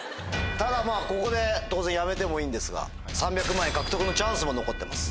ただここで当然やめてもいいんですが３００万円獲得のチャンスも残ってます。